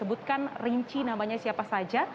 sebutkan rinci namanya siapa saja